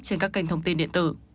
trên các kênh thông tin điện tử